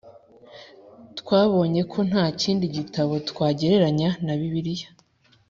Twabonye ko nta kindi gitabo twagereranya na Bibiliya